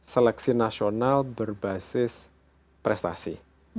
seleksi nasional berbasis prestasi